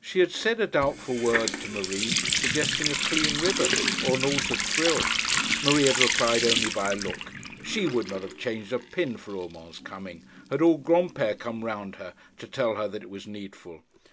She had said a doubtful word to Marie, suggesting a clean ribbon, or an altered frill. Marie had replied only by a look. She would not have changed a pin for Urmand's coming, had all Granpere come round her to tell her that it was needful.